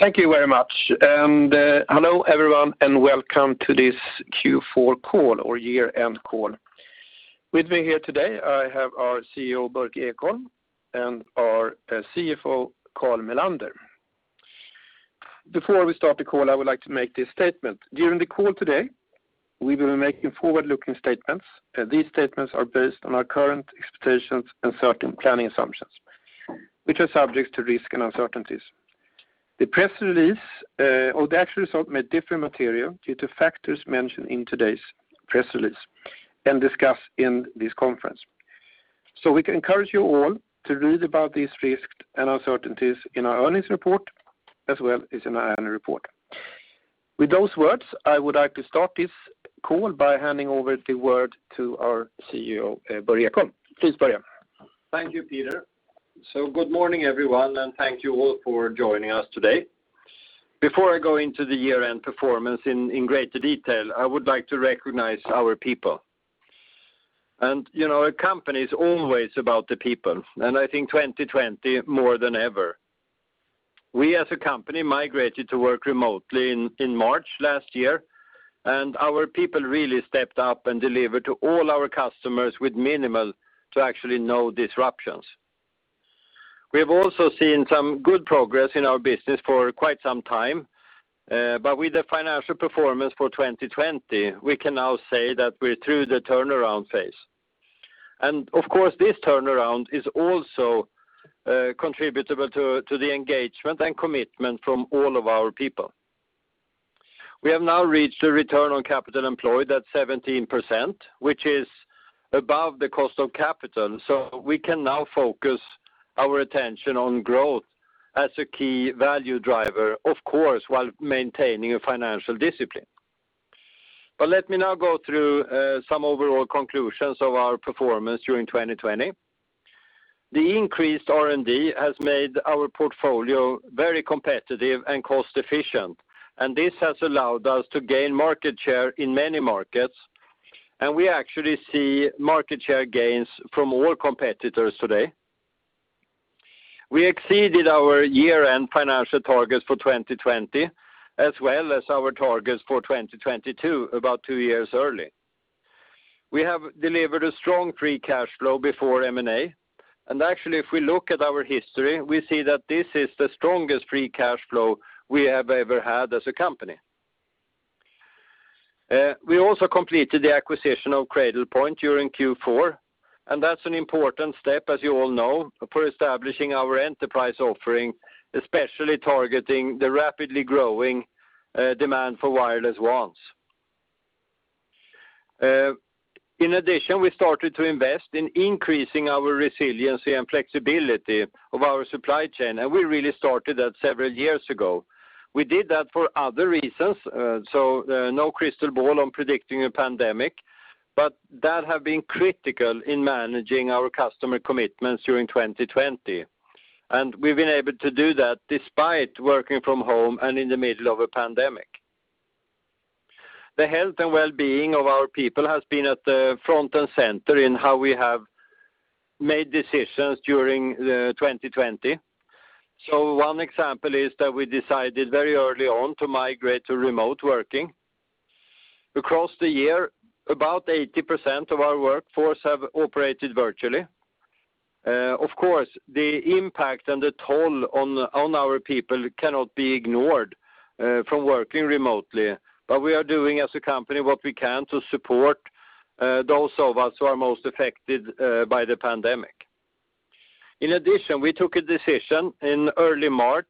Thank you very much. Hello everyone, and welcome to this Q4 call or year-end call. With me here today, I have our CEO, Börje Ekholm, and our CFO, Carl Mellander. Before we start the call, I would like to make this statement. During the call today, we will be making forward-looking statements. These statements are based on our current expectations and certain planning assumptions, which are subject to risk and uncertainties. The actual results may differ materially due to factors mentioned in today's press release and discussed in this conference. We encourage you all to read about these risks and uncertainties in our earnings report as well as in our annual report. With those words, I would like to start this call by handing over the word to our CEO, Börje Ekholm. Please, Börje. Thank you, Peter. Good morning, everyone, and thank you all for joining us today. Before I go into the year-end performance in greater detail, I would like to recognize our people. A company is always about the people, and I think 2020 more than ever. We, as a company, migrated to work remotely in March last year, and our people really stepped up and delivered to all our customers with minimal to actually no disruptions. We have also seen some good progress in our business for quite some time. With the financial performance for 2020, we can now say that we're through the turnaround phase. Of course, this turnaround is also contributable to the engagement and commitment from all of our people. We have now reached a return on capital employed at 17%, which is above the cost of capital. We can now focus our attention on growth as a key value driver, of course, while maintaining a financial discipline. Let me now go through some overall conclusions of our performance during 2020. The increased R&D has made our portfolio very competitive and cost-efficient, and this has allowed us to gain market share in many markets. We actually see market share gains from all competitors today. We exceeded our year-end financial targets for 2020, as well as our targets for 2022 about two years early. We have delivered a strong free cash flow before M&A. Actually, if we look at our history, we see that this is the strongest free cash flow we have ever had as a company. We also completed the acquisition of Cradlepoint during Q4, and that's an important step, as you all know, for establishing our enterprise offering, especially targeting the rapidly growing demand for wireless WANs. In addition, we started to invest in increasing our resiliency and flexibility of our supply chain, and we really started that several years ago. We did that for other reasons, so no crystal ball on predicting a pandemic, but that have been critical in managing our customer commitments during 2020. We've been able to do that despite working from home and in the middle of a pandemic. The health and wellbeing of our people has been at the front and center in how we have made decisions during 2020. One example is that we decided very early on to migrate to remote working. Across the year, about 80% of our workforce have operated virtually. Of course, the impact and the toll on our people cannot be ignored from working remotely, but we are doing as a company what we can to support those of us who are most affected by the pandemic. In addition, we took a decision in early March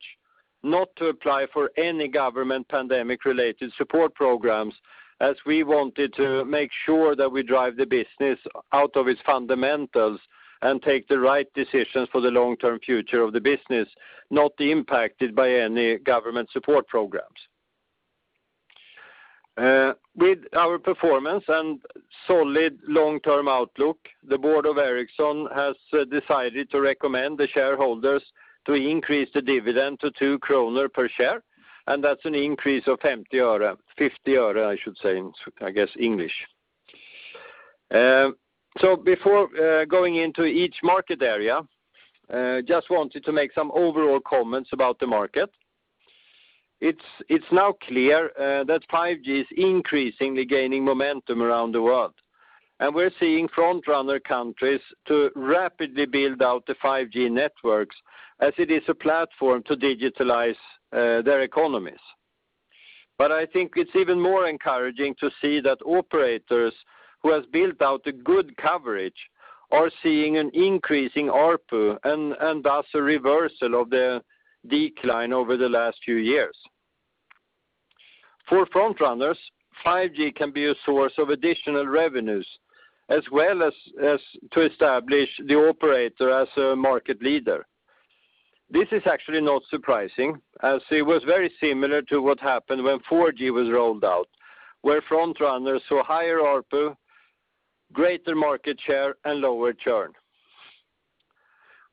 not to apply for any government pandemic-related support programs, as we wanted to make sure that we drive the business out of its fundamentals and take the right decisions for the long-term future of the business, not impacted by any government support programs. With our performance and solid long-term outlook, the board of Ericsson has decided to recommend the shareholders to increase the dividend to 2 kronor per share, and that's an increase of SEK 0.50, I should say in, I guess, English. Before going into each market area, just wanted to make some overall comments about the market. It's now clear that 5G is increasingly gaining momentum around the world, and we're seeing front-runner countries to rapidly build out the 5G networks as it is a platform to digitalize their economies. I think it's even more encouraging to see that operators who have built out a good coverage are seeing an increasing ARPU and thus a reversal of the decline over the last few years. For front runners, 5G can be a source of additional revenues, as well as to establish the operator as a market leader. This is actually not surprising, as it was very similar to what happened when 4G was rolled out, where front runners saw higher ARPU, greater market share, and lower churn.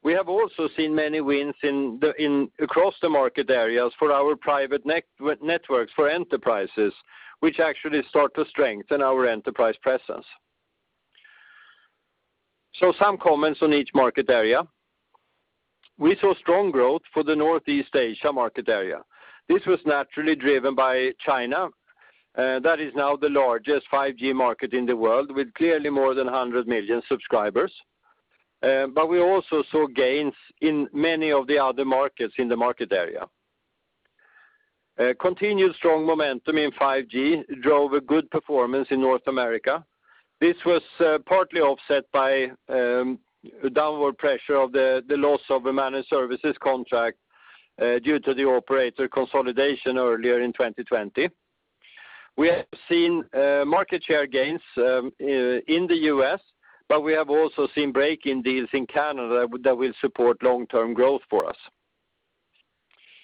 We have also seen many wins across the market areas for our private networks for enterprises, which actually start to strengthen our enterprise presence. Some comments on each market area. We saw strong growth for the Northeast Asia market area. This was naturally driven by China. That is now the largest 5G market in the world, with clearly more than 100 million subscribers. We also saw gains in many of the other markets in the market area. Continued strong momentum in 5G drove a good performance in North America. This was partly offset by downward pressure of the loss of a managed services contract due to the operator consolidation earlier in 2020. We have seen market share gains in the U.S., but we have also seen break-in deals in Canada that will support long-term growth for us.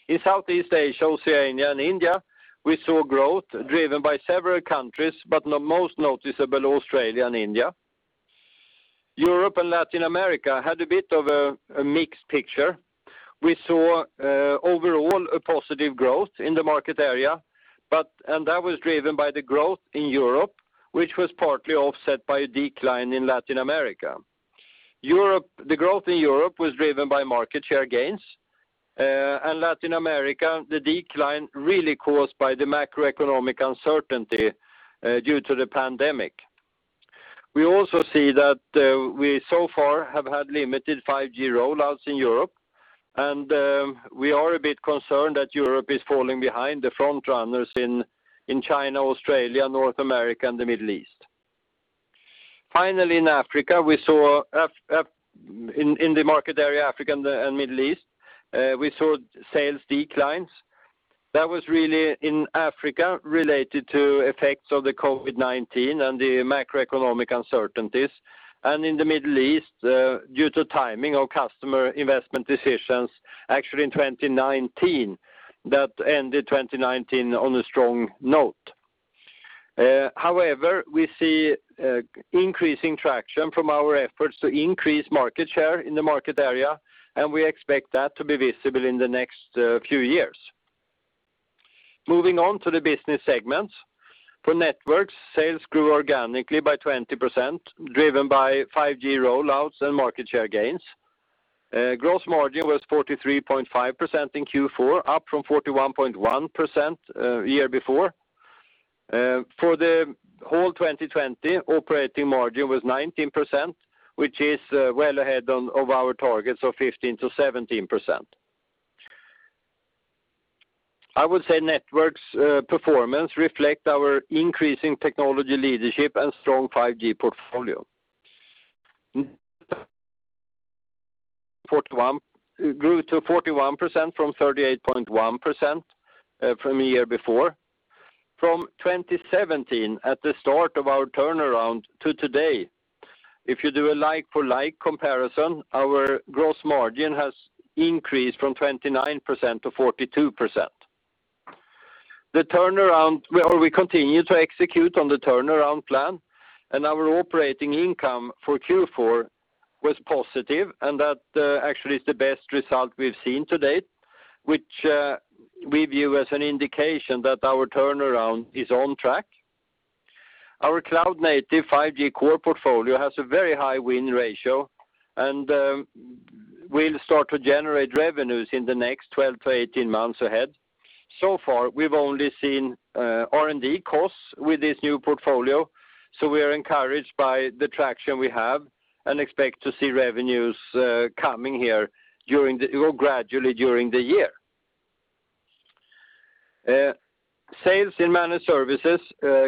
In Southeast Asia, Oceania, and India, we saw growth driven by several countries, but most noticeable Australia and India. Europe and Latin America had a bit of a mixed picture. We saw overall a positive growth in the market area, and that was driven by the growth in Europe, which was partly offset by a decline in Latin America. The growth in Europe was driven by market share gains. Latin America, the decline really caused by the macroeconomic uncertainty due to the pandemic. We also see that we so far have had limited 5G rollouts in Europe, and we are a bit concerned that Europe is falling behind the frontrunners in China, Australia, North America, and the Middle East. Finally, in Africa we saw a—in the market area, Africa and Middle East, we saw sales declines. That was really in Africa, related to effects of the COVID-19 and the macroeconomic uncertainties, and in the Middle East, due to timing of customer investment decisions actually in 2019, that ended 2019 on a strong note. However, we see increasing traction from our efforts to increase market share in the market area, and we expect that to be visible in the next few years. Moving on to the business segments. For Networks, sales grew organically by 20%, driven by 5G rollouts and market share gains. Gross margin was 43.5% in Q4, up from 41.1% year before. For the whole 2020, operating margin was 19%, which is well ahead of our targets of 15%-17%. I would say Networks' performance reflect our increasing technology leadership and strong 5G portfolio. Grew to 41% from 38.1% from a year before. From 2017, at the start of our turnaround to today, if you do a like-for-like comparison, our gross margin has increased from 29%-42%. The turnaround, we continue to execute on the turnaround plan, and our operating income for Q4 was positive, and that actually is the best result we've seen to date, which we view as an indication that our turnaround is on track. Our cloud-native 5G core portfolio has a very high win ratio and will start to generate revenues in the next 12-8 months ahead. Far, we've only seen R&D costs with this new portfolio, so we are encouraged by the traction we have and expect to see revenues coming here gradually during the year. Sales in Managed Services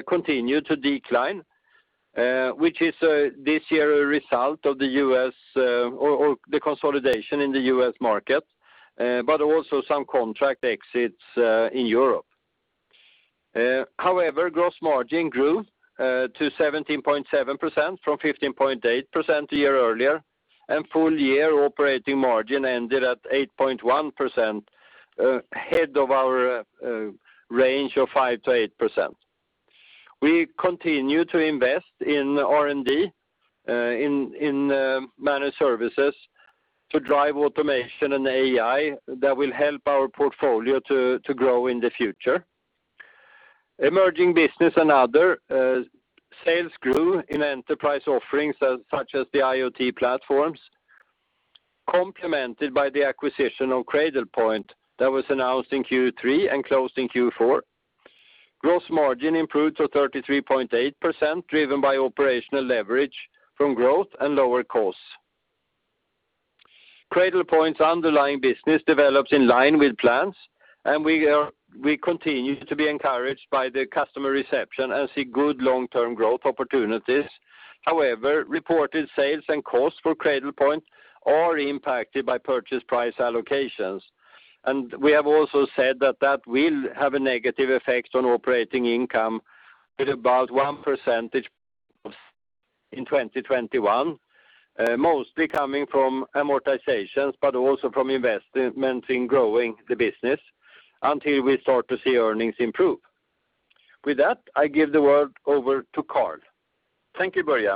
continue to decline, which is this year a result of the consolidation in the U.S. market, but also some contract exits in Europe. However, gross margin grew to 17.7% from 15.8% a year earlier, and full year operating margin ended at 8.1%, ahead of our range of 5%-8%. We continue to invest in R&D in Managed Services to drive automation and AI that will help our portfolio to grow in the future. Emerging Business and Other, sales grew in enterprise offerings such as the IoT platforms, complemented by the acquisition of Cradlepoint that was announced in Q3 and closed in Q4. Gross margin improved to 33.8%, driven by operational leverage from growth and lower costs. Cradlepoint's underlying business develops in line with plans, and we continue to be encouraged by the customer reception and see good long-term growth opportunities. However, reported sales and costs for Cradlepoint are impacted by purchase price allocations. We have also said that that will have a negative effect on operating income at about 1% in 2021. Mostly coming from amortizations, but also from investment in growing the business until we start to see earnings improve. With that, I give the word over to Carl. Thank you, Börje.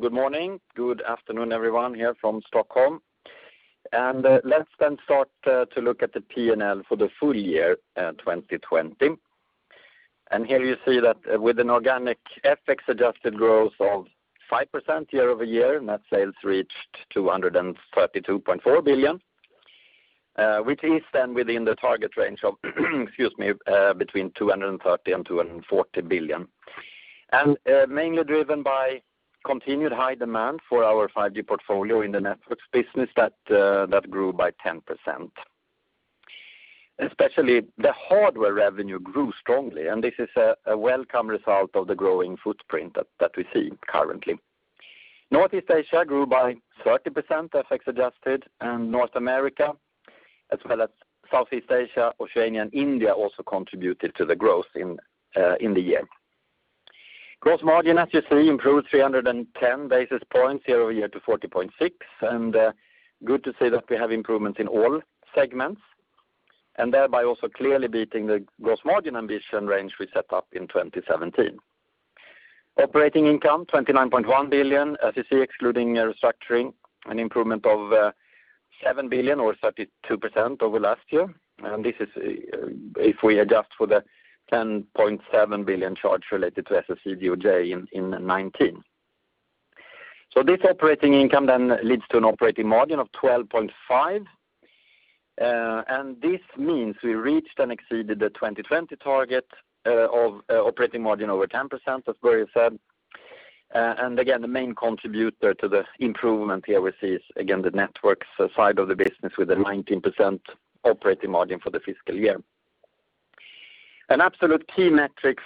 Good morning, good afternoon, everyone here from Stockholm. Let's then start to look at the P&L for the full year 2020. Here you see that with an organic FX-adjusted growth of 5% year-over-year, net sales reached 232.4 billion, which is then within the target range of between 230 billion and 240 billion. Mainly driven by continued high demand for our 5G portfolio in the Networks business, that grew by 10%. Especially, the hardware revenue grew strongly, and this is a welcome result of the growing footprint that we see currently. Northeast Asia grew by 30%, FX-adjusted, and North America as well as Southeast Asia, Oceania, and India also contributed to the growth in the year. Gross margin, as you see, improved 310 basis points year-over-year to 40.6%. Good to see that we have improvements in all segments, thereby also clearly beating the gross margin ambition range we set up in 2017. Operating income 29.1 billion, as you see, excluding restructuring, an improvement of 7 billion or 32% over last year. This is if we adjust for the 10.7 billion charge related to SEC/DOJ in 2019. This operating income then leads to an operating margin of 12.5%. This means we reached and exceeded the 2020 target of operating margin over 10%, as Börje said. Again, the main contributor to the improvement here we see is, again, the Networks side of the business with a 19% operating margin for the fiscal year. An absolute key metric,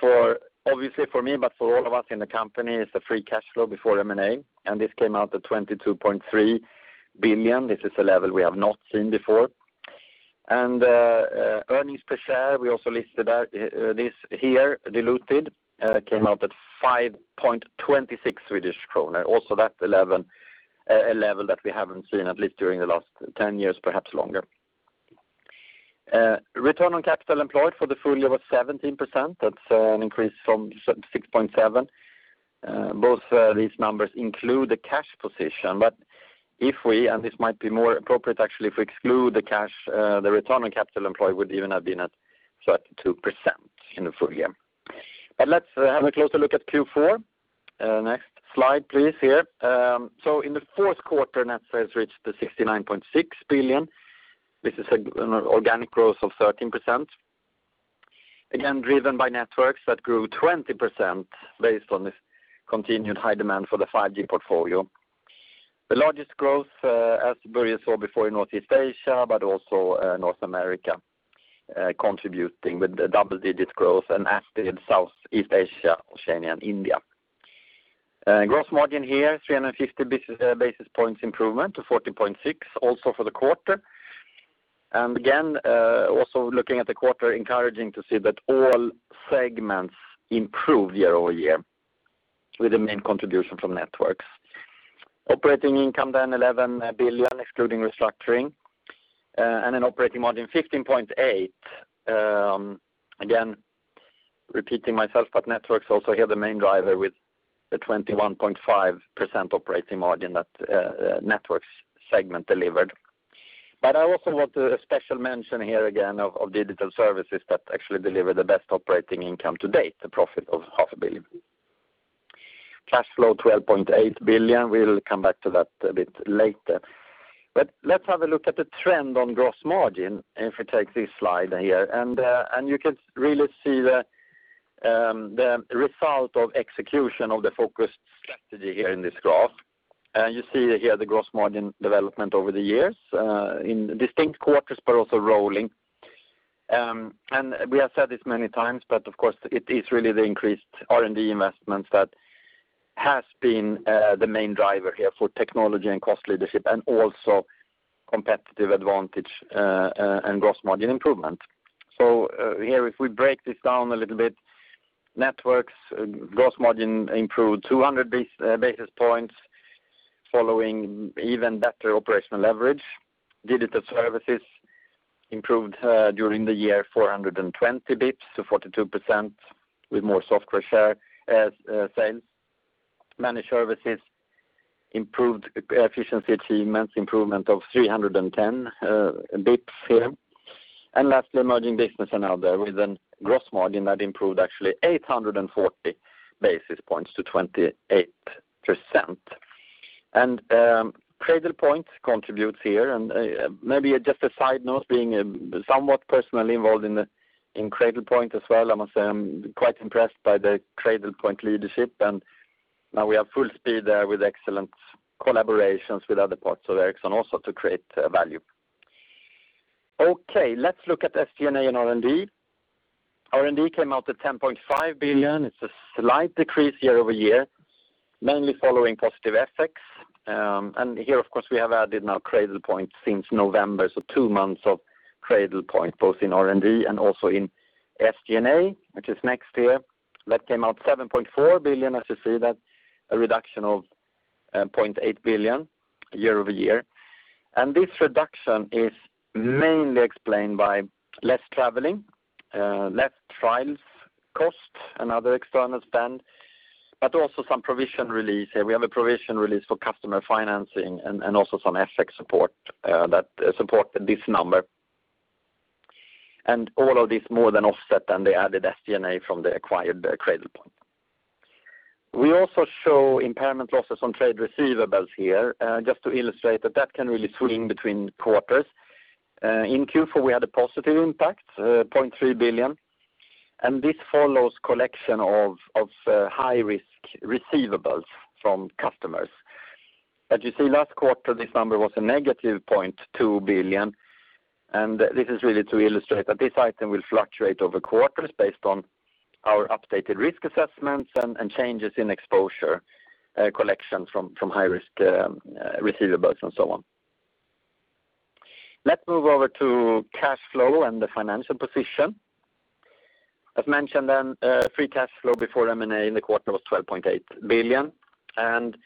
obviously for me, but for all of us in the company, is the free cash flow before M&A. This came out at 22.3 billion. Earnings per share, we also listed this here, diluted, came out at 5.26 Swedish kronor. That's a level that we haven't seen, at least during the last 10 years, perhaps longer. Return on capital employed for the full year was 17%. That's an increase from 6.7%. Both these numbers include the cash position. If we, and this might be more appropriate, actually, if we exclude the cash, the return on capital employed would even have been at 32% in the full year. Let's have a closer look at Q4. Next slide, please, here. In the fourth quarter, net sales reached to 69.6 billion. This is an organic growth of 13%. Again, driven by Networks that grew 20%, based on this continued high demand for the 5G portfolio. The largest growth, as Börje saw before in Northeast Asia, also North America, contributing with double-digit growth and as did Southeast Asia, Oceania, and India. Gross margin here, 350 basis points improvement to 40.6% also for the quarter. Again, also looking at the quarter, encouraging to see that all segments improved year-over-year with the main contribution from Networks. Operating income, 11 billion, excluding restructuring, an operating margin 15.8%. Again, repeating myself, Networks also here the main driver with the 21.5% operating margin that Networks segment delivered. I also want a special mention here again of Digital Services that actually deliver the best operating income to date, a profit of 500 million. Cash flow 12.8 billion. We'll come back to that a bit later. Let's have a look at the trend on gross margin if we take this slide here. You can really see the result of execution of the focused strategy here in this graph. You see here the gross margin development over the years, in distinct quarters but also rolling. We have said this many times, but of course it is really the increased R&D investments that has been the main driver here for technology and cost leadership and also competitive advantage and gross margin improvement. Here, if we break this down a little bit, Networks gross margin improved 200 basis points following even better operational leverage. Digital Services improved during the year 420 basis points to 42% with more software share as sales. Managed Services, improved efficiency achievements, improvement of 310 basis points here. Lastly, Emerging Business and Other with a gross margin that improved actually 840 basis points to 28%. Cradlepoint contributes here. Maybe just a side note, being somewhat personally involved in Cradlepoint as well, I must say I'm quite impressed by the Cradlepoint leadership, and now we are full speed there with excellent collaborations with other parts of Ericsson also to create value. Okay, let's look at SG&A and R&D. R&D came out to 10.5 billion. It's a slight decrease year-over-year, mainly following positive FX. Here, of course, we have added now Cradlepoint since November, so two months of Cradlepoint, both in R&D and also in SG&A, which is next here. That came out 7.4 billion. As you see, that's a reduction of 0.8 billion year-over-year. This reduction is mainly explained by less traveling, less trials cost, and other external spend. Also some provision release here. We have a provision release for customer financing and also some FX support that support this number. All of this more than offset than the added SG&A from the acquired Cradlepoint. We also show impairment losses on trade receivables here, just to illustrate that that can really swing between quarters. In Q4, we had a positive impact, 0.3 billion, and this follows collection of high-risk receivables from customers. As you see, last quarter, this number was a -0.2 billion, and this is really to illustrate that this item will fluctuate over quarters based on our updated risk assessments and changes in exposure collection from high-risk receivables and so on. Let's move over to cash flow and the financial position. I've mentioned then free cash flow before M&A in the quarter was 12.8 billion, and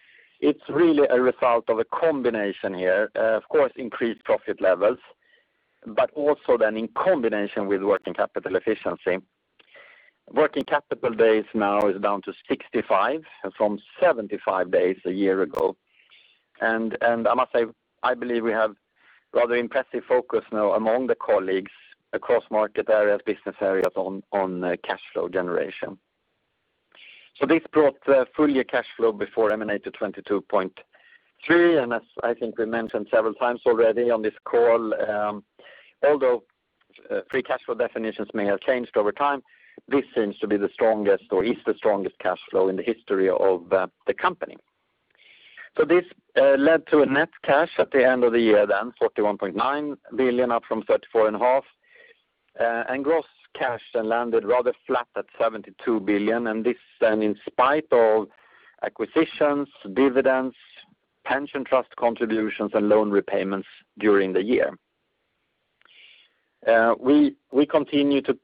it's really a result of a combination here, of course, increased profit levels, but also then in combination with working capital efficiency. Working capital days now is down to 65 from 75 days a year ago. I must say, I believe we have rather impressive focus now among the colleagues across market areas, business areas on cash flow generation. This brought full-year cash flow before M&A to 22.3 [billion], and as I think we mentioned several times already on this call, although free cash flow definitions may have changed over time, this seems to be the strongest or is the strongest cash flow in the history of the company. This led to a net cash at the end of the year 41.9 billion up from 34.5 billion, gross cash landed rather flat at 72 billion in spite of acquisitions, dividends, pension trust contributions, and loan repayments during the year. We continue to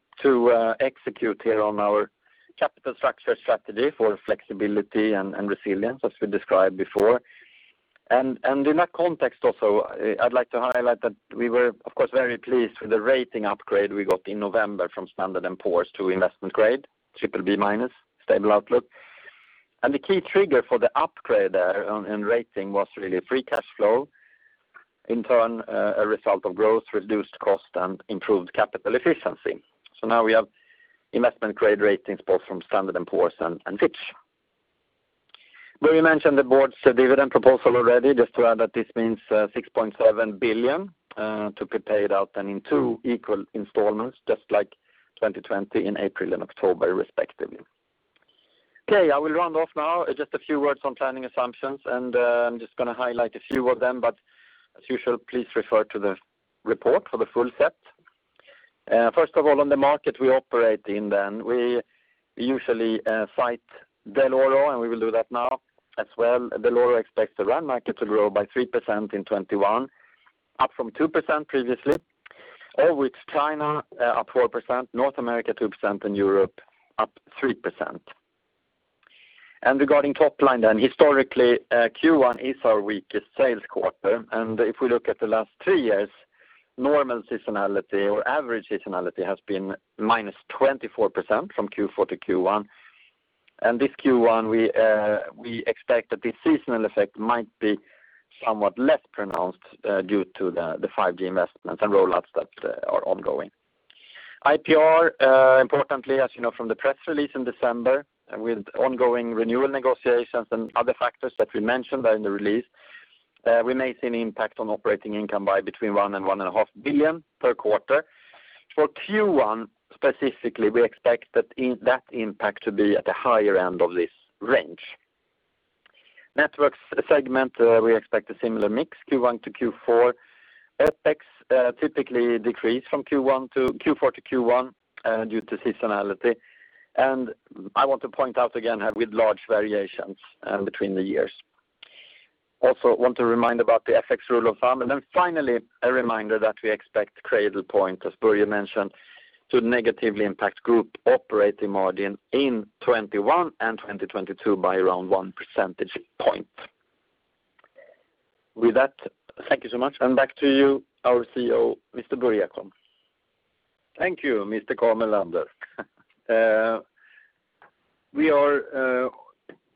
execute here on our capital structure strategy for flexibility and resilience, as we described before. In that context also, I'd like to highlight that we were, of course, very pleased with the rating upgrade we got in November from Standard & Poor's to investment grade, BBB-, stable outlook. The key trigger for the upgrade there on rating was really free cash flow. In turn, a result of growth reduced cost and improved capital efficiency. Now we have investment grade ratings both from Standard & Poor's and Fitch. We mentioned the board's dividend proposal already. Just to add that this means 6.7 billion to be paid out then in two equal installments, just like 2020 in April and October, respectively. Okay, I will round off now. Just a few words on planning assumptions. I'm just going to highlight a few of them, but as usual, please refer to the report for the full set. First of all, on the market we operate in then we usually cite Dell'Oro. We will do that now as well. Dell'Oro expects the RAN market to grow by 3% in 2021, up from 2% previously, all with China up 4%, North America 2%, Europe up 3%. Regarding top line then historically, Q1 is our weakest sales quarter. If we look at the last three years, normal seasonality or average seasonality has been -24% from Q4 to Q1. This Q1, we expect that this seasonal effect might be somewhat less pronounced due to the 5G investments and rollouts that are ongoing. IPR importantly, as you know from the press release in December with ongoing renewal negotiations and other factors that we mentioned there in the release, we may see an impact on operating income by between 1 billion and 1.5 billion per quarter. For Q1 specifically, we expect that impact to be at the higher end of this range. Networks segment, we expect a similar mix Q1 to Q4. OpEx typically decrease from Q4 to Q1 due to seasonality. I want to point out again with large variations between the years. Want to remind about the FX rule of thumb, and then finally, a reminder that we expect Cradlepoint, as Börje mentioned, to negatively impact group operating margin in 2021 and 2022 by around 1 percentage point. With that, thank you so much, and back to you, our CEO, Mr. Börje Ekholm. Thank you, Mr. Carl Mellander. We are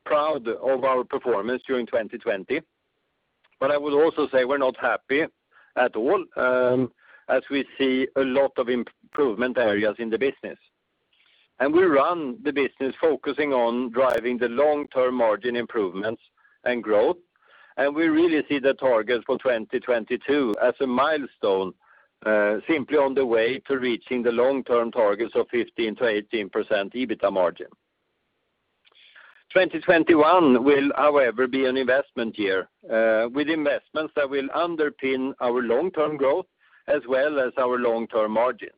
proud of our performance during 2020, but I will also say we're not happy at all as we see a lot of improvement areas in the business. We run the business focusing on driving the long-term margin improvements and growth, and we really see the target for 2022 as a milestone simply on the way to reaching the long-term targets of 15%-18% EBITDA margin. 2021 will, however, be an investment year with investments that will underpin our long-term growth as well as our long-term margins.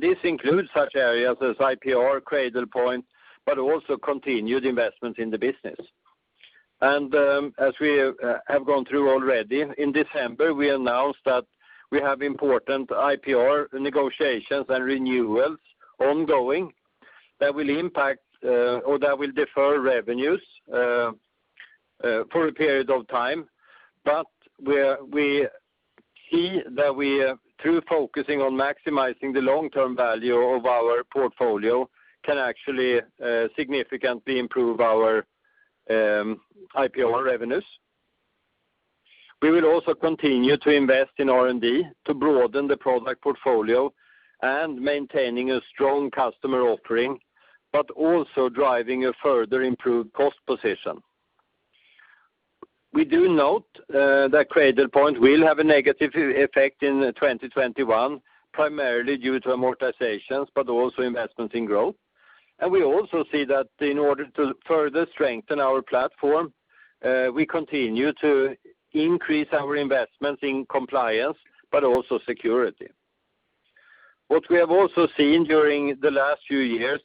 This includes such areas as IPR, Cradlepoint, but also continued investments in the business. As we have gone through already, in December, we announced that we have important IPR negotiations and renewals ongoing that will impact or that will defer revenues for a period of time. We see that through focusing on maximizing the long-term value of our portfolio, can actually significantly improve our IPR revenues. We will also continue to invest in R&D to broaden the product portfolio and maintaining a strong customer offering, but also driving a further improved cost position. We do note that Cradlepoint will have a negative effect in 2021, primarily due to amortizations, but also investments in growth. We also see that in order to further strengthen our platform, we continue to increase our investments in compliance, but also security. What we have also seen during the last few years,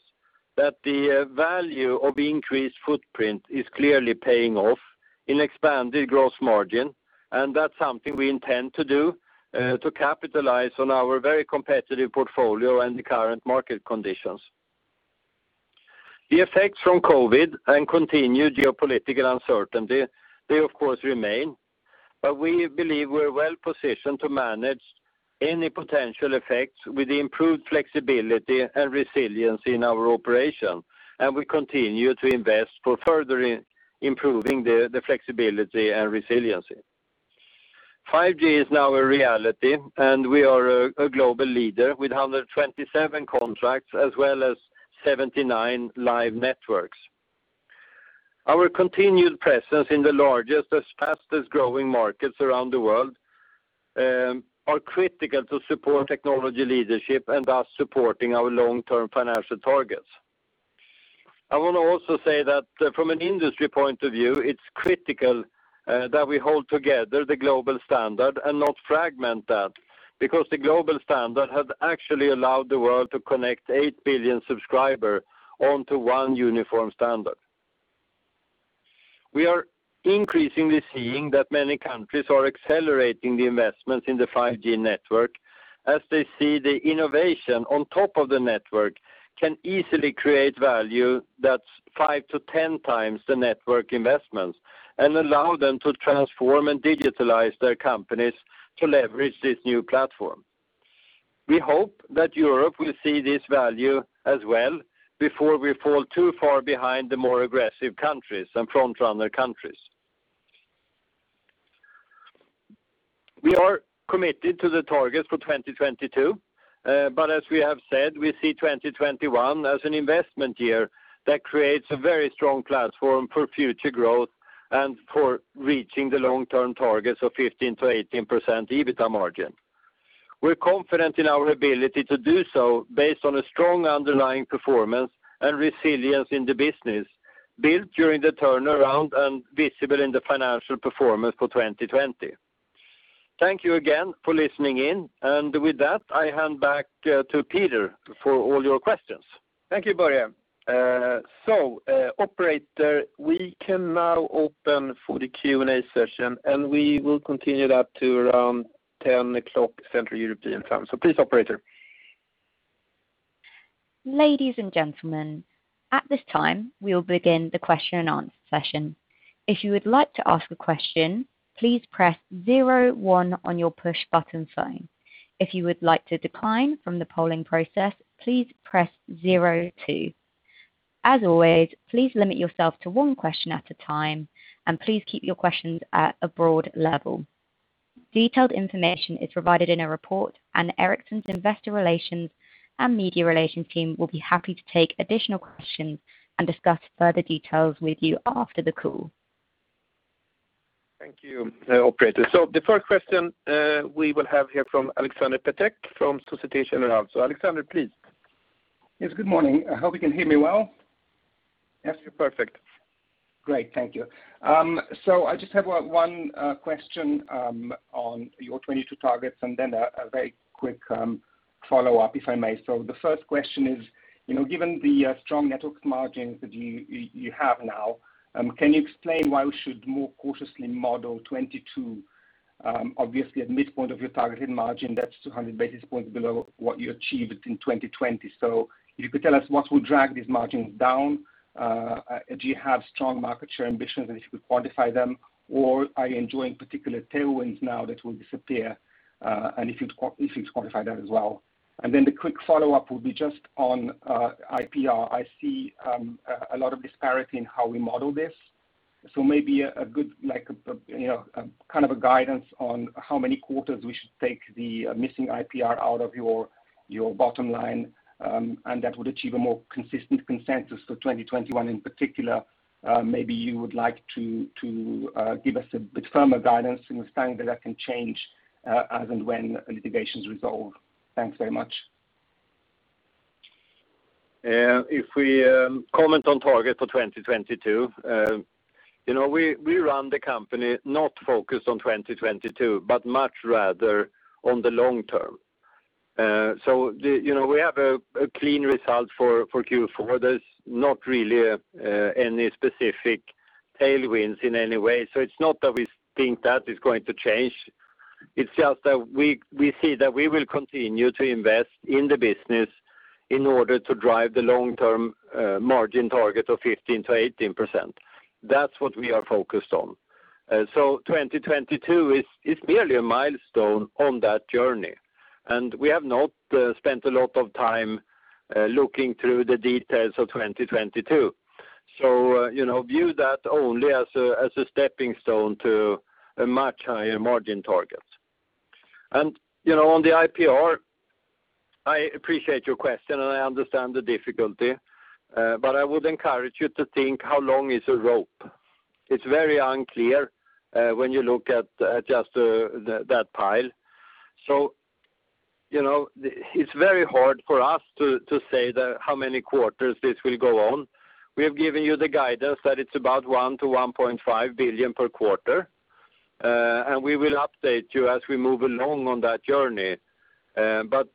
that the value of increased footprint is clearly paying off in expanded gross margin. That's something we intend to do to capitalize on our very competitive portfolio and the current market conditions. The effects from COVID and continued geopolitical uncertainty, they of course remain. We believe we're well-positioned to manage any potential effects with the improved flexibility and resiliency in our operation, and we continue to invest for further improving the flexibility and resiliency. 5G is now a reality. We are a global leader with 127 contracts as well as 79 live networks. Our continued presence in the largest, as fastest-growing markets around the world are critical to support technology leadership and thus supporting our long-term financial targets. I want to also say that from an industry point of view, it's critical that we hold together the global standard and not fragment that, because the global standard has actually allowed the world to connect 8 billion subscribers onto one uniform standard. We are increasingly seeing that many countries are accelerating the investments in the 5G network, as they see the innovation on top of the network can easily create value that's 5x-10x the network investments and allow them to transform and digitalize their companies to leverage this new platform. We hope that Europe will see this value as well before we fall too far behind the more aggressive countries and front-runner countries. We are committed to the targets for 2022. As we have said, we see 2021 as an investment year that creates a very strong platform for future growth and for reaching the long-term targets of 15%-18% EBITDA margin. We're confident in our ability to do so based on a strong underlying performance and resilience in the business built during the turnaround and visible in the financial performance for 2020. Thank you again for listening in. With that, I hand back to Peter for all your questions. Thank you, Börje. Operator, we can now open for the Q&A session, and we will continue that to around 10:00 A.M. Central European Time. Please, operator. Ladies and gentlemen, at this time, we will begin the question and answer session. If you would like to ask a question, please press zero one on your push button phone. If you would like to decline from the polling process, please press zero two. As always, please limit yourself to one question at a time, and please keep your questions at a broad level. Detailed information is provided in a report, and Ericsson's investor relations and media relations team will be happy to take additional questions and discuss further details with you after the call. Thank you, operator. The first question we will have here from Alexander Peterc from Société Générale. Alexander, please. Yes, good morning. I hope you can hear me well. Yes, you're perfect. Great, thank you. I just have one question on your 2022 targets and then a very quick follow-up, if I may. The first question is, given the strong Networks margins that you have now, can you explain why we should more cautiously model 2022? Obviously, at midpoint of your targeted margin, that's 200 basis points below what you achieved in 2020. If you could tell us what will drag these margins down. Do you have strong market share ambitions, and if you could quantify them, or are you enjoying particular tailwinds now that will disappear? If you'd quantify that as well. Then the quick follow-up would be just on IPR. I see a lot of disparity in how we model this. Maybe a good kind of a guidance on how many quarters we should take the missing IPR out of your bottom line, and that would achieve a more consistent consensus for 2021 in particular. Maybe you would like to give us a bit firmer guidance, understanding that that can change as and when litigation's resolved. Thanks very much. If we comment on target for 2022, we run the company not focused on 2022, but much rather on the long term. We have a clean result for Q4. There's not really any specific tailwinds in any way. It's not that we think that is going to change. It's just that we see that we will continue to invest in the business in order to drive the long-term margin target of 15%-18%. That's what we are focused on. 2022 is merely a milestone on that journey. We have not spent a lot of time looking through the details of 2022. View that only as a stepping stone to a much higher margin target. On the IPR, I appreciate your question, and I understand the difficulty, but I would encourage you to think how long is a rope. It's very unclear when you look at just that pile. It's very hard for us to say how many quarters this will go on. We have given you the guidance that it's about 1 billion to 1.5 billion per quarter, and we will update you as we move along on that journey.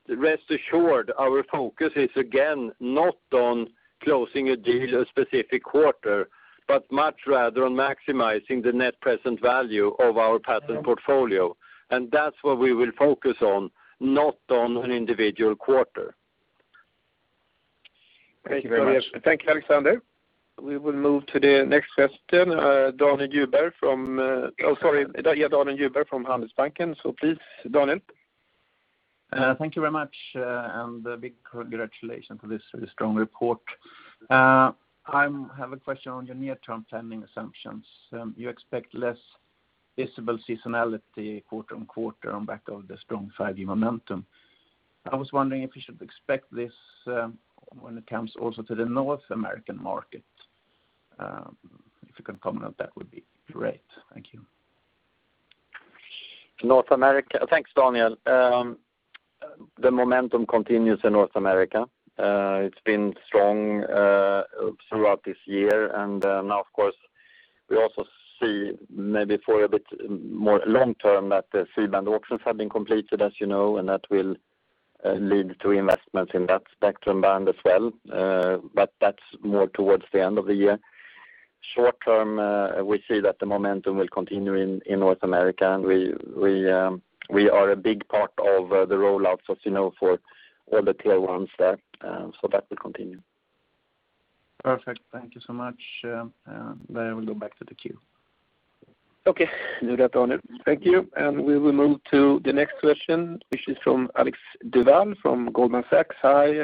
Rest assured, our focus is, again, not on closing a deal a specific quarter, but much rather on maximizing the net present value of our patent portfolio. That's what we will focus on, not on an individual quarter. Thank you very much. Thank you, Alexander. We will move to the next question, Daniel Djurberg from Handelsbanken. Please, Daniel. Thank you very much. A big congratulations on this very strong report. I have a question on your near-term planning assumptions. You expect less visible seasonality quarter-on-quarter on back of the strong 5G momentum. I was wondering if you should expect this when it comes also to the North American market. If you can comment on that would be great. Thank you. North America. Thanks, Daniel. The momentum continues in North America. It's been strong throughout this year. Now, of course, we also see maybe for a bit more long term that the C-band auctions have been completed, as you know, and that will lead to investments in that spectrum band as well. That's more towards the end of the year. Short term, we see that the momentum will continue in North America, and we are a big part of the rollout for all the Tier 1s there, so that will continue. Perfect. Thank you so much. I will go back to the queue. Okay. You got on it. Thank you. We will move to the next question, which is from Alex Duval from Goldman Sachs. Hi,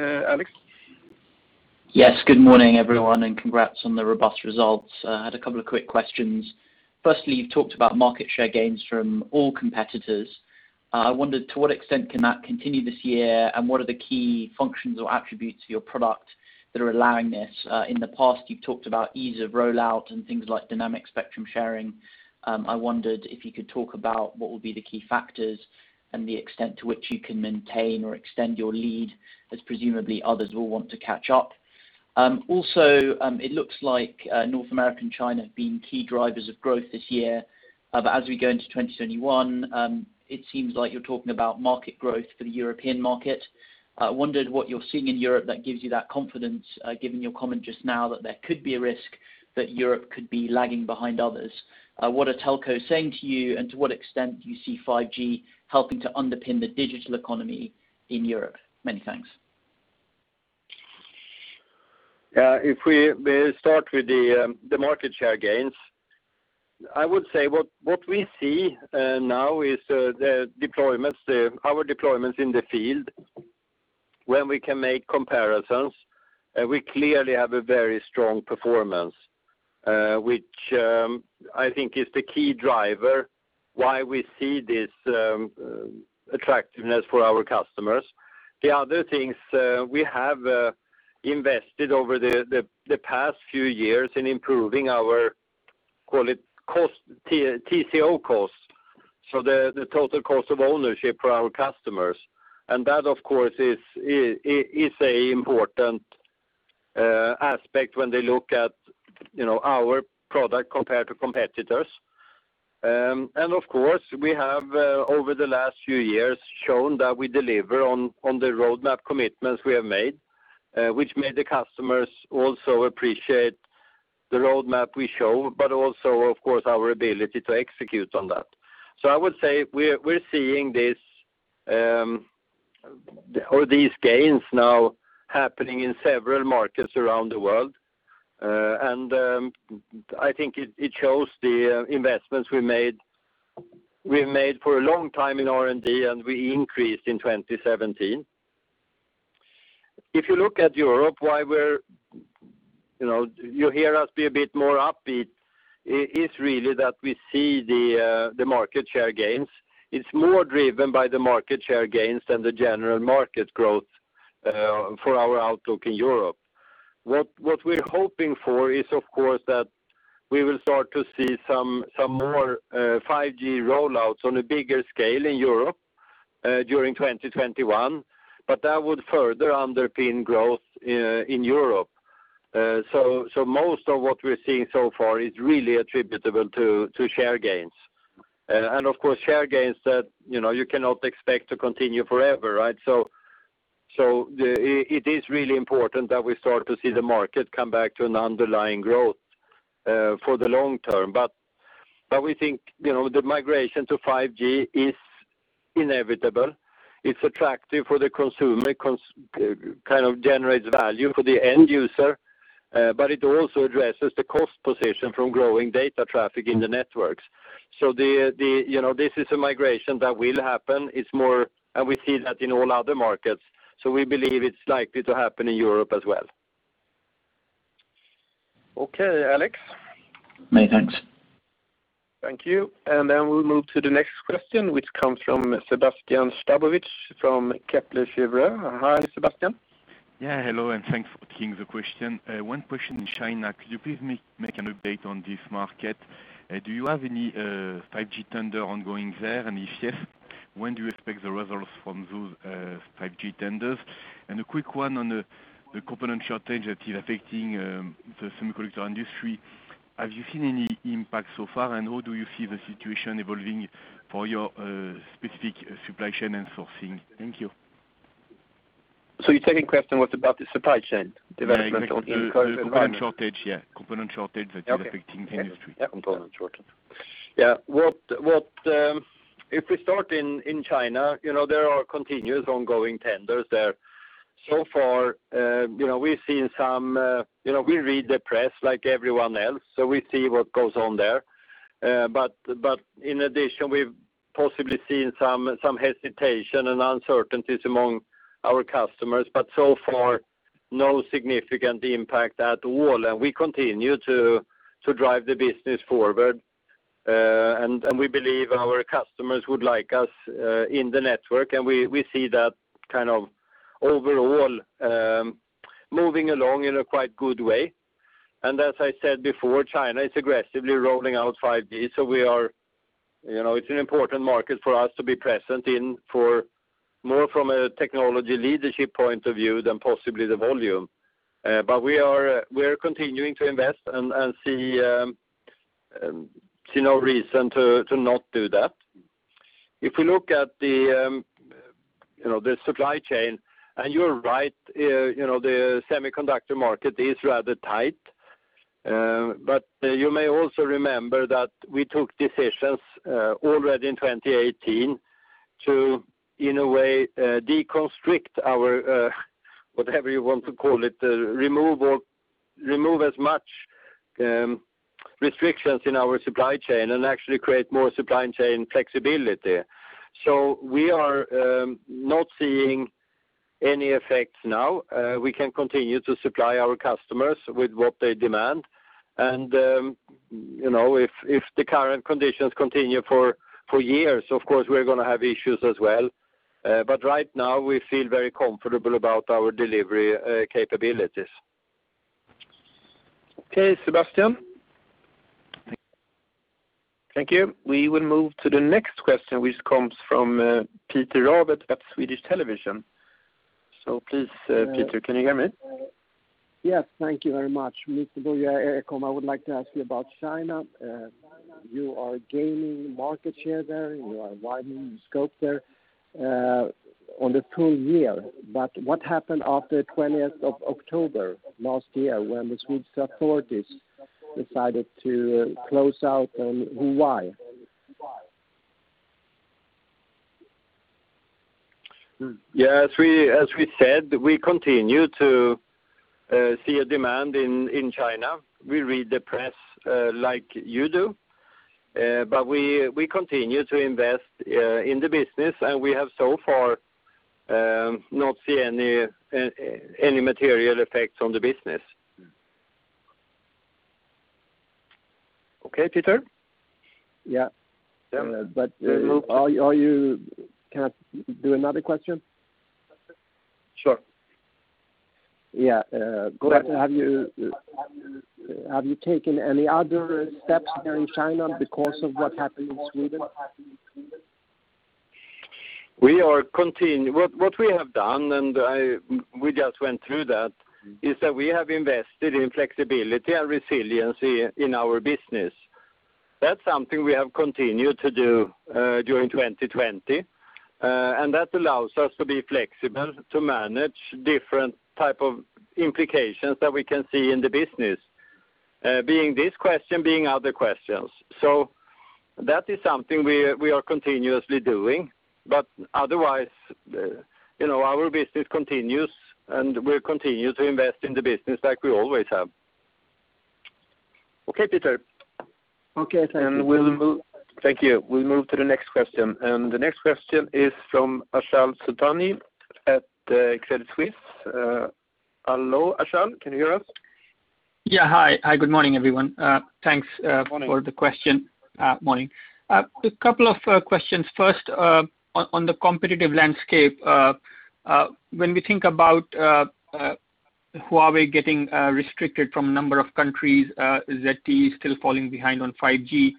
Alex. Yes, good morning, everyone, and congrats on the robust results. I had a couple of quick questions. Firstly, you've talked about market share gains from all competitors. I wondered to what extent can that continue this year, and what are the key functions or attributes of your product that are allowing this? In the past, you've talked about ease of rollout and things like dynamic spectrum sharing. I wondered if you could talk about what will be the key factors and the extent to which you can maintain or extend your lead, as presumably others will want to catch up. Also, t looks like North America and China have been key drivers of growth this year. As we go into 2021, it seems like you're talking about market growth for the European market. I wondered what you're seeing in Europe that gives you that confidence, given your comment just now that there could be a risk that Europe could be lagging behind others. What are telcos saying to you, and to what extent do you see 5G helping to underpin the digital economy in Europe? Many thanks. If we start with the market share gains, I would say what we see now is our deployments in the field. When we can make comparisons, we clearly have a very strong performance, which I think is the key driver why we see this attractiveness for our customers. The other things we have invested over the past few years in improving our TCO cost, so the total cost of ownership for our customers. That, of course, is an important aspect when they look at our product compared to competitors. Of course, we have over the last few years shown that we deliver on the roadmap commitments we have made, which made the customers also appreciate the roadmap we show, but also, of course, our ability to execute on that. I would say we're seeing all these gains now happening in several markets around the world. I think it shows the investments we've made for a long time in R&D, and we increased in 2017. You look at Europe, you hear us be a bit more upbeat, it's really that we see the market share gains. It's more driven by the market share gains than the general market growth for our outlook in Europe. We're hoping for is, of course, that we will start to see some more 5G rollouts on a bigger scale in Europe during 2021, but that would further underpin growth in Europe. It is really important that we start to see the market come back to an underlying growth for the long term. We think the migration to 5G is inevitable. It's attractive for the consumer, kind of generates value for the end user, but it also addresses the cost position from growing data traffic in the networks. This is a migration that will happen. It's more, and we see that in all other markets, so we believe it's likely to happen in Europe as well. Okay, Alex. No, thanks. Thank you. We'll move to the next question, which comes from Sébastien Sztabowicz from Kepler Cheuvreux. Hi, Sébastien. Hello, thanks for taking the question. One question in China, could you please make an update on this market? Do you have any 5G tender ongoing there? If yes, when do you expect the results from those 5G tenders? A quick one on the component shortage that is affecting the semiconductor industry. Have you seen any impact so far, and how do you see the situation evolving for your specific supply chain and sourcing? Thank you. Your second question was about the supply chain development on the current environment. The component shortage, yeah. Component shortage that is affecting the industry. Yeah. Component shortage. Yeah. If we start in China, there are continuous ongoing tenders there. So far, we read the press like everyone else, so we see what goes on there. In addition, we've possibly seen some hesitation and uncertainties among our customers, but so far, no significant impact at all. We continue to drive the business forward. We believe our customers would like us in the network, and we see that kind of overall, moving along in a quite good way. As I said before, China is aggressively rolling out 5G, so it's an important market for us to be present in for more from a technology leadership point of view than possibly the volume. We are continuing to invest and see no reason to not do that. If we look at the supply chain, you're right, the semiconductor market is rather tight. You may also remember that we took decisions already in 2018 to, in a way, deconstrict our, whatever you want to call it, remove as much restrictions in our supply chain and actually create more supply chain flexibility. We are not seeing any effects now. We can continue to supply our customers with what they demand. If the current conditions continue for years, of course, we're going to have issues as well. Right now, we feel very comfortable about our delivery capabilities. Okay, Sébastien. Thank you. We will move to the next question, which comes from Peter Rawet at Sveriges Television. Please, Peter, can you hear me? Yes. Thank you very much. Mr. Börje Ekholm, I would like to ask you about China. You are gaining market share there. You are widening the scope there on the full year. What happened after 20th of October last year when the Swedish authorities decided to close out on Huawei? Yeah, as we said, we continue to see a demand in China. We read the press like you do. We continue to invest in the business, and we have so far not seen any material effects on the business. Okay, Peter? Yeah. Yeah. Can I do another question? Sure. Yeah. Go ahead. Have you taken any other steps there in China because of what happened in Sweden? What we have done, and we just went through that, is that we have invested in flexibility and resiliency in our business. That's something we have continued to do during 2020. That allows us to be flexible to manage different type of implications that we can see in the business, being this question, being other questions. That is something we are continuously doing, but otherwise, our business continues, and we'll continue to invest in the business like we always have. Okay, Peter. Okay, thank you. Thank you. We move to the next question. The next question is from Achal Sultania at Credit Suisse. Hello, Achal, can you hear us? Hi, good morning, everyone. Morning For the question. Morning. A couple of questions. First, on the competitive landscape. When we think about Huawei getting restricted from a number of countries, ZTE still falling behind on 5G.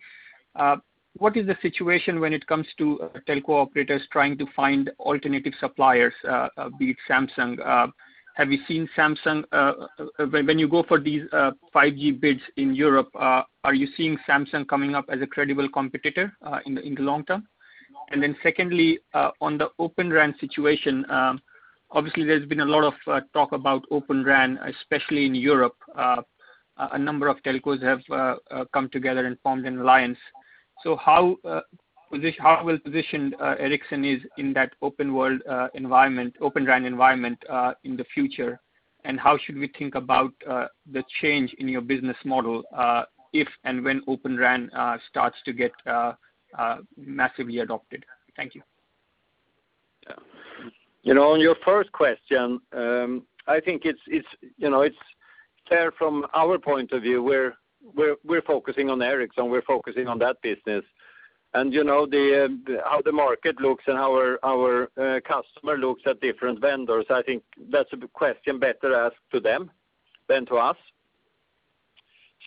What is the situation when it comes to telco operators trying to find alternative suppliers, be it Samsung? When you go for these 5G bids in Europe, are you seeing Samsung coming up as a credible competitor in the long term? Secondly, on the Open RAN situation, obviously there has been a lot of talk about Open RAN, especially in Europe. A number of telcos have come together and formed an alliance. How well-positioned Ericsson is in that Open RAN environment in the future, and how should we think about the change in your business model, if and when Open RAN starts to get massively adopted? Thank you. On your first question, I think it's clear from our point of view, we're focusing on Ericsson, we're focusing on that business. How the market looks and our customer looks at different vendors, I think that's a question better asked to them than to us.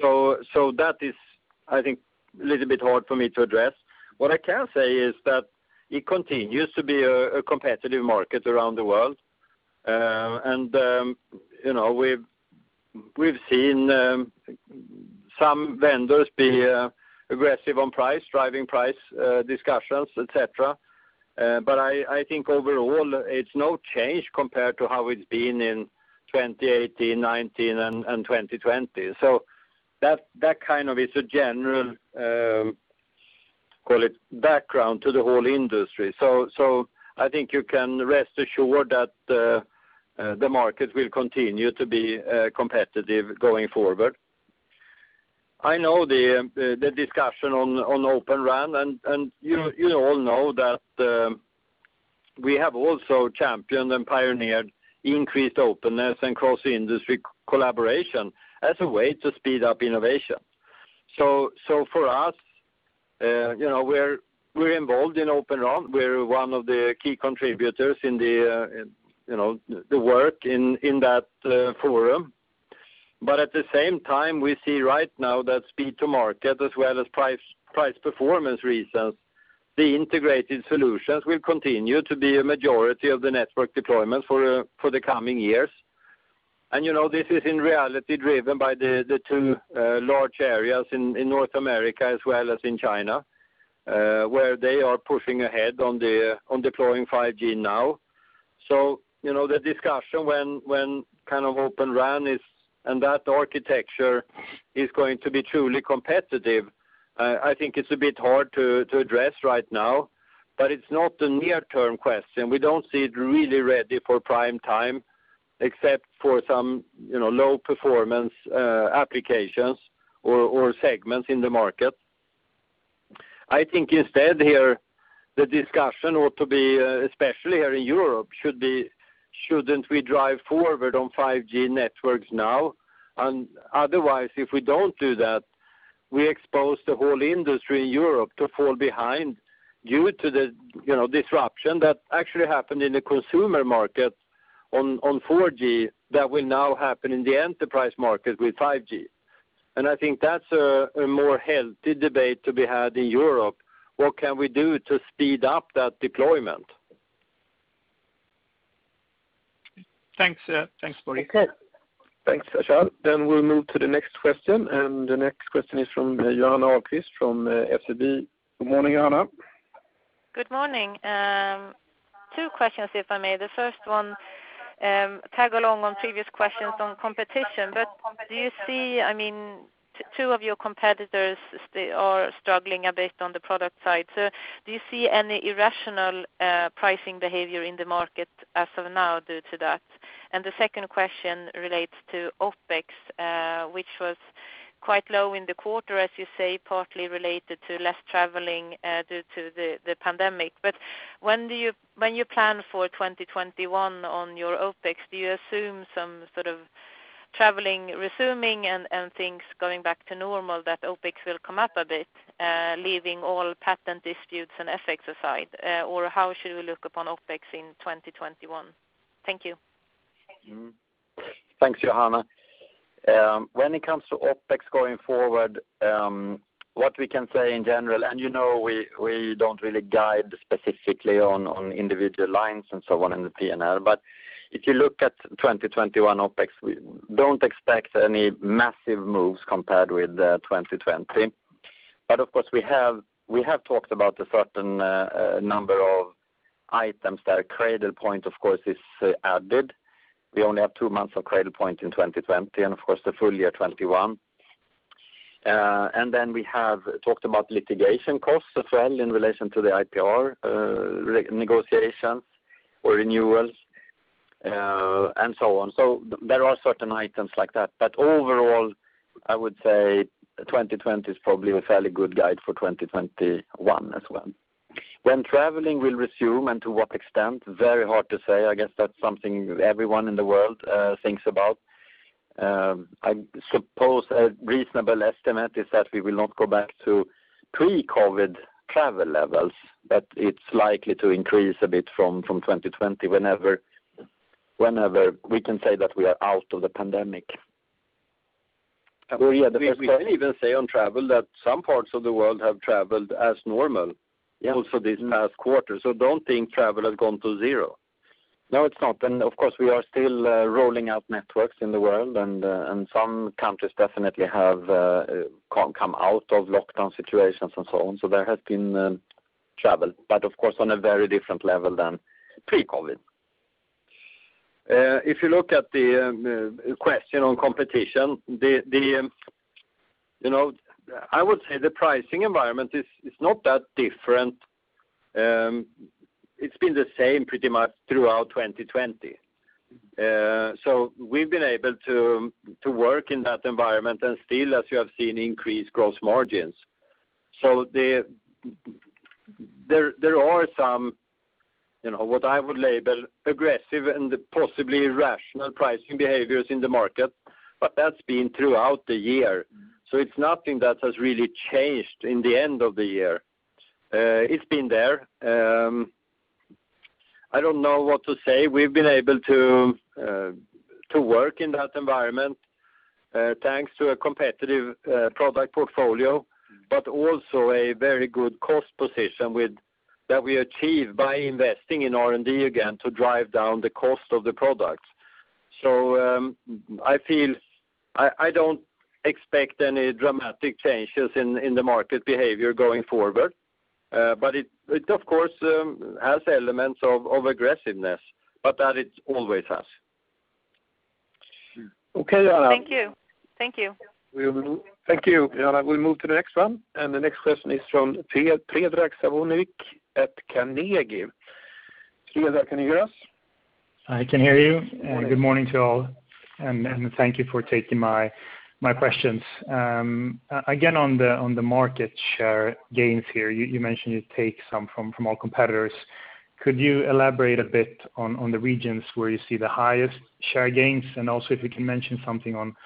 That is, I think, a little bit hard for me to address. What I can say is that it continues to be a competitive market around the world. We've seen some vendors be aggressive on price, driving price discussions, et cetera. I think overall, it's no change compared to how it's been in 2018, 2019, and 2020. That is a general, call it, background to the whole industry. I think you can rest assured that the market will continue to be competitive going forward. I know the discussion on Open RAN, and you all know that we have also championed and pioneered increased openness and cross-industry collaboration as a way to speed up innovation. For us, we're involved in Open RAN. We're one of the key contributors in the work in that forum. At the same time, we see right now that speed to market as well as price performance reasons, the integrated solutions will continue to be a majority of the network deployments for the coming years. This is in reality driven by the two large areas in North America as well as in China, where they are pushing ahead on deploying 5G now. The discussion when Open RAN is, and that architecture is going to be truly competitive, I think it's a bit hard to address right now, but it's not a near-term question. We don't see it really ready for prime time except for some low-performance applications or segments in the market. I think instead here, the discussion ought to be, especially here in Europe, should we drive forward on 5G networks now? Otherwise, if we don't do that, we expose the whole industry in Europe to fall behind due to the disruption that actually happened in the consumer market on 4G that will now happen in the enterprise market with 5G. I think that's a more healthy debate to be had in Europe. What can we do to speed up that deployment? Thanks, Börje. Okay. Thanks, Achal. We'll move to the next question, and the next question is from Johanna Ahlqvist from SEB. Good morning, Johanna. Good morning. Two questions, if I may. The first one tag along on previous questions on competition. Two of your competitors are struggling a bit on the product side. Do you see any irrational pricing behavior in the market as of now due to that? The second question relates to OpEx, which was quite low in the quarter, as you say, partly related to less traveling due to the pandemic. When you plan for 2021 on your OpEx, do you assume some sort of traveling resuming and things going back to normal that OpEx will come up a bit, leaving all patent disputes and FX aside? How should we look upon OpEx in 2021? Thank you. Thanks, Johanna. When it comes to OpEx going forward, what we can say in general, and you know we don't really guide specifically on individual lines and so on in the P&L. If you look at 2021 OpEx, we don't expect any massive moves compared with 2020. Of course, we have talked about a certain number of items. The Cradlepoint, of course, is added. We only have two months of Cradlepoint in 2020, and of course, the full year 2021. We have talked about litigation costs as well in relation to the IPR negotiations or renewals, and so on. There are certain items like that. Overall, I would say 2020 is probably a fairly good guide for 2021 as well. When traveling will resume and to what extent, very hard to say. I guess that's something everyone in the world thinks about. I suppose a reasonable estimate is that we will not go back to pre-COVID travel levels, but it's likely to increase a bit from 2020 whenever we can say that we are out of the pandemic. Börje, you have the first question. We can even say on travel that some parts of the world have traveled as normal also this past quarter. Don't think travel has gone to zero. No, it's not. Of course, we are still rolling out networks in the world, and some countries definitely have come out of lockdown situations and so on. There has been travel, but of course, on a very different level than pre-COVID. If you look at the question on competition, I would say the pricing environment is not that different. It's been the same pretty much throughout 2020. We've been able to work in that environment and still, as you have seen, increase gross margins. There are some, what I would label aggressive and possibly irrational pricing behaviors in the market, but that's been throughout the year. It's nothing that has really changed in the end of the year. It's been there. I don't know what to say. We've been able to work in that environment, thanks to a competitive product portfolio, but also a very good cost position that we achieved by investing in R&D again to drive down the cost of the products. I don't expect any dramatic changes in the market behavior going forward. It, of course, has elements of aggressiveness, but that it always has. Okay, Johanna. Thank you. Thank you, Johanna. We move to the next one. The next question is from Predrag Savinovic at Carnegie. Predrag, can you hear us? I can hear you. Morning. Good morning to all, and thank you for taking my questions. Again, on the market share gains here, you mentioned you take some from all competitors. Could you elaborate a bit on the regions where you see the highest share gains? Also, if you can mention something on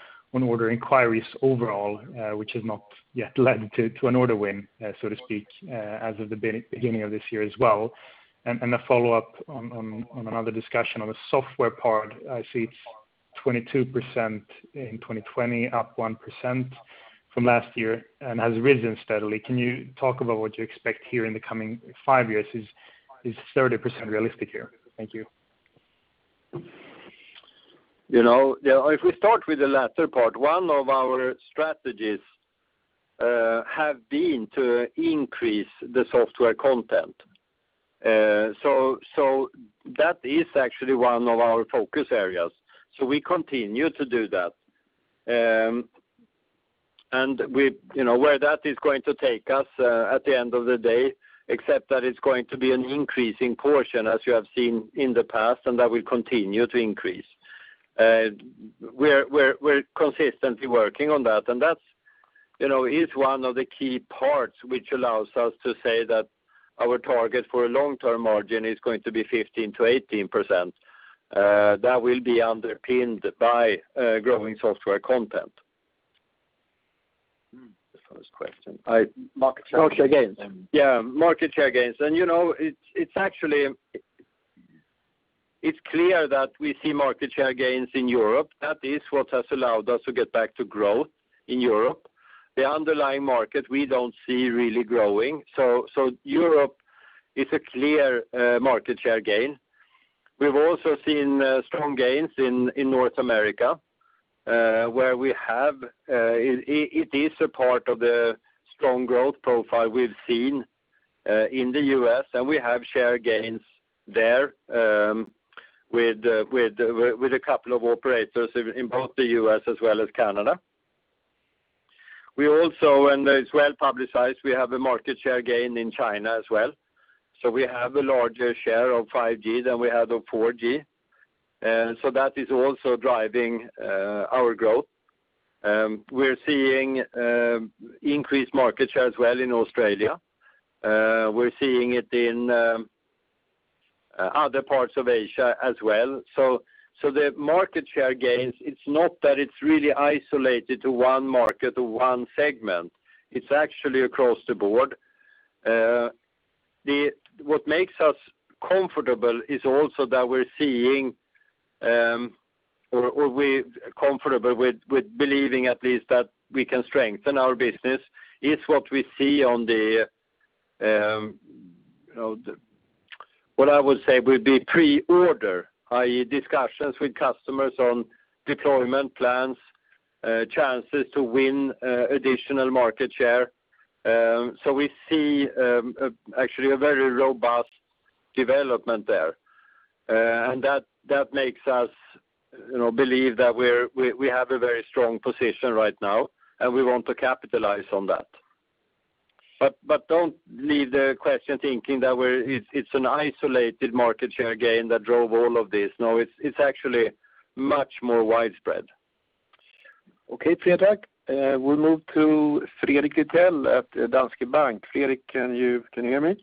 order inquiries overall which has not yet led to an order win, so to speak as of the beginning of this year as well. A follow-up on another discussion on the software part. I see it's 22% in 2020, up 1% from last year and has risen steadily. Can you talk about what you expect here in the coming five years? Is 30% realistic here? Thank you. If we start with the latter part, one of our strategies have been to increase the software content. That is actually one of our focus areas. We continue to do that. Where that is going to take us at the end of the day, except that it's going to be an increasing portion, as you have seen in the past, and that will continue to increase. We're consistently working on that, and that is one of the key parts which allows us to say that our target for a long-term margin is going to be 15%-18%. That will be underpinned by growing software content. The first question. Market share gains. Yeah, market share gains. It's clear that we see market share gains in Europe. That is what has allowed us to get back to growth in Europe. The underlying market, we don't see really growing. Europe is a clear market share gain. We've also seen strong gains in North America. It is a part of the strong growth profile we've seen in the U.S., and we have share gains there with a couple of operators in both the U.S. as well as Canada. We also, and it's well publicized, we have a market share gain in China as well. We have a larger share of 5G than we had of 4G. That is also driving our growth. We're seeing increased market share as well in Australia. We're seeing it in other parts of Asia as well. The market share gains, it's not that it's really isolated to one market or one segment. It's actually across the board. What makes us comfortable with believing at least that we can strengthen our business, is what we see on the, what I would say would be pre-order, i.e. discussions with customers on deployment plans, chances to win additional market share. We see actually a very robust development there. That makes us believe that we have a very strong position right now, and we want to capitalize on that. Don't leave the question thinking that it's an isolated market share gain that drove all of this. No, it's actually much more widespread. Okay, Predrag. We move to Fredrik Lithell at Handelsbanken. Fredrik, can you hear me?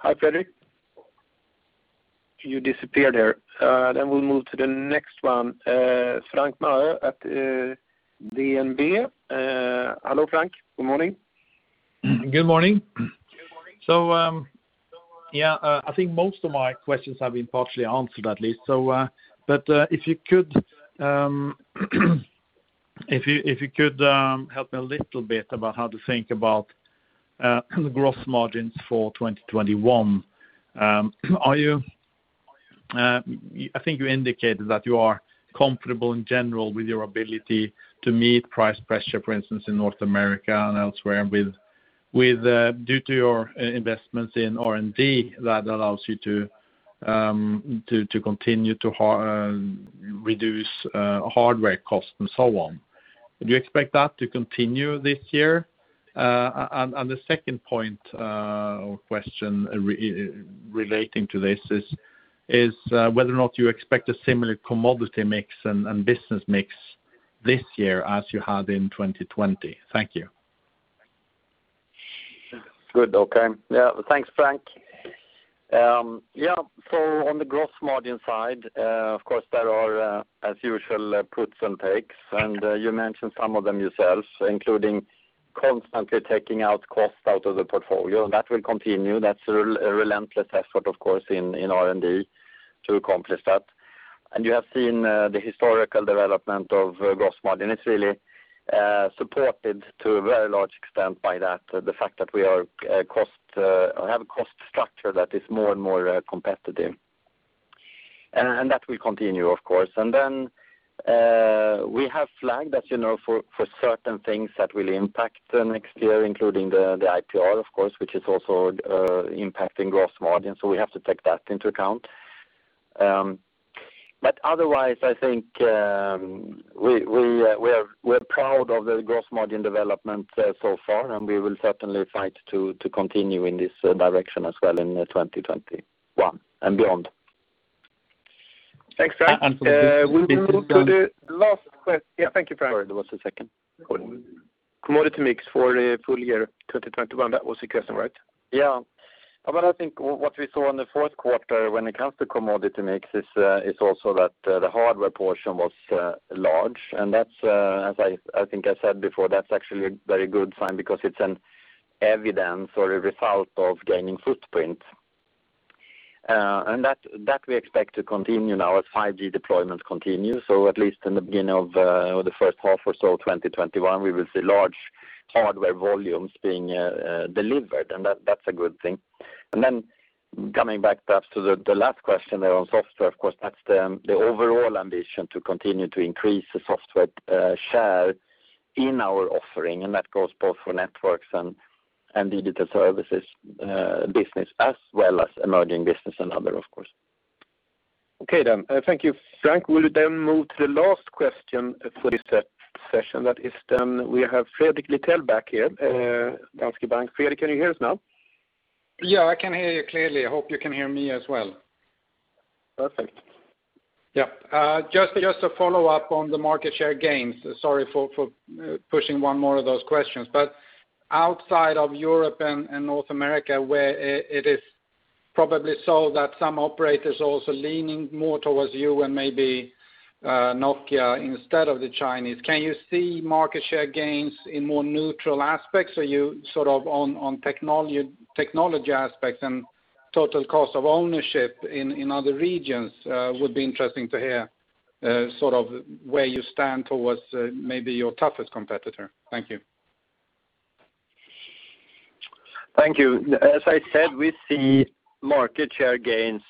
Hi, Fredrik. You disappeared there. We'll move to the next one, Frank Maaø at DNB. Hello, Frank. Good morning. Good morning. I think most of my questions have been partially answered, at least. If you could help me a little bit about how to think about gross margins for 2021. I think you indicated that you are comfortable in general with your ability to meet price pressure, for instance, in North America and elsewhere, due to your investments in R&D that allows you to continue to reduce hardware costs and so on. Do you expect that to continue this year? The second point or question relating to this is whether or not you expect a similar commodity mix and business mix this year as you had in 2020. Thank you. Good. Okay. Yeah. Thanks, Frank. Yeah. On the gross margin side, of course, there are, as usual, puts and takes, and you mentioned some of them yourself, including constantly taking out costs out of the portfolio, and that will continue. That's a relentless effort, of course, in R&D to accomplish that. You have seen the historical development of gross margin. It's really supported to a very large extent by that, the fact that we have a cost structure that is more and more competitive. That will continue, of course. We have flagged, as you know, for certain things that will impact next year, including the IPR, of course, which is also impacting gross margin, so we have to take that into account. Otherwise, I think we're proud of the gross margin development so far, and we will certainly fight to continue in this direction as well in 2021 and beyond. Thanks, Frank. We'll move to the last question. Yeah, thank you, Frank. Sorry, there was a second. Commodity mix for the full year 2021. That was the question, right? I think what we saw in the fourth quarter when it comes to commodity mix is also that the hardware portion was large, and as I think I said before, that's actually a very good sign because it's an evidence or a result of gaining footprint. That we expect to continue now as 5G deployment continues. At least in the beginning of the first half or so of 2021, we will see large hardware volumes being delivered, and that's a good thing. Coming back perhaps to the last question there on software, of course, that's the overall ambition to continue to increase the software share in our offering, and that goes both for Networks and Digital Services business as well as Emerging Business and Other, of course. Okay. Thank you, Frank. We will move to the last question for this session. That is we have Fredrik Lithell back here, Handelsbanken. Fredrik, can you hear us now? Yeah, I can hear you clearly. I hope you can hear me as well. Perfect. Yeah. Just to follow up on the market share gains. Sorry for pushing one more of those questions, but outside of Europe and North America, where it is probably so that some operators are also leaning more towards you and maybe Nokia instead of the Chinese. Can you see market share gains in more neutral aspects? Are you on technology aspects and total cost of ownership in other regions? Would be interesting to hear where you stand towards maybe your toughest competitor. Thank you. Thank you. As I said, we see market share gains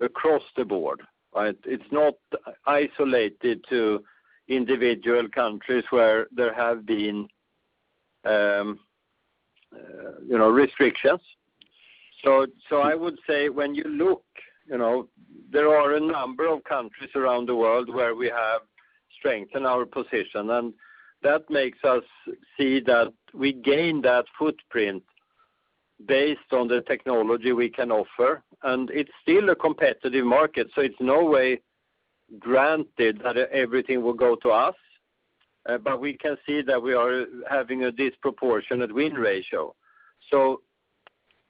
across the board. It's not isolated to individual countries where there have been restrictions. I would say when you look, there are a number of countries around the world where we have strengthened our position, that makes us see that we gain that footprint based on the technology we can offer, it's still a competitive market, so it's no way granted that everything will go to us. We can see that we are having a disproportionate win ratio.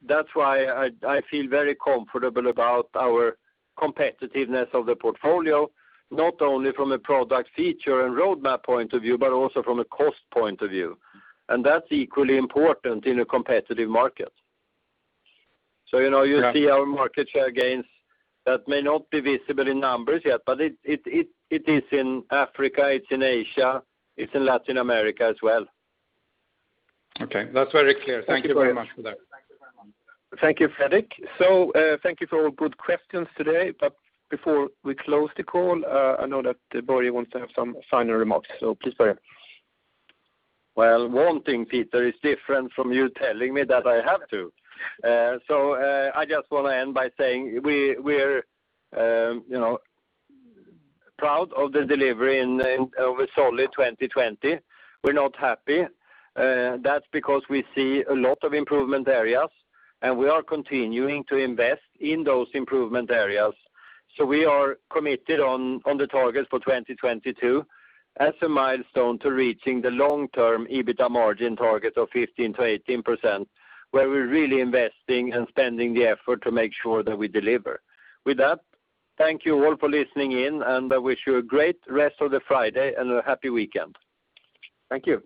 That's why I feel very comfortable about our competitiveness of the portfolio, not only from a product feature and roadmap point of view, but also from a cost point of view. That's equally important in a competitive market. You see our market share gains that may not be visible in numbers yet, but it is in Africa, it's in Asia, it's in Latin America as well. Okay. That's very clear. Thank you very much for that. Thank you, Fredrik. Thank you for all good questions today. Before we close the call, I know that Börje wants to have some final remarks. Please, Börje. Well, wanting, Peter, is different from you telling me that I have to. I just want to end by saying we're proud of the delivery over solid 2020. We're not happy. That's because we see a lot of improvement areas, and we are continuing to invest in those improvement areas. We are committed on the target for 2022 as a milestone to reaching the long-term EBITDA margin target of 15%-18%, where we're really investing and spending the effort to make sure that we deliver. With that, thank you all for listening in, and I wish you a great rest of the Friday and a happy weekend. Thank you.